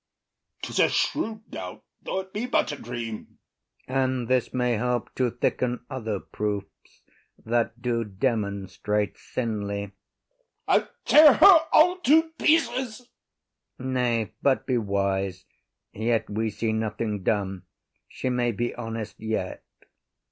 ’Tis a shrewd doubt, though it be but a dream. IAGO. And this may help to thicken other proofs That do demonstrate thinly. OTHELLO. I’ll tear her all to pieces. IAGO. Nay, but be wise. Yet we see nothing done, She may be honest yet.